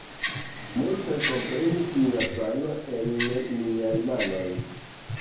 Multaj komprenis mia sano en miaj manoj!